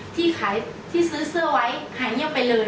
ที่ซื้อเสื้อไว้หายไม่ยอดไปเลย